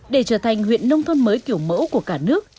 để trở thành huyện nông thôn mới kiểu mẫu của cả nước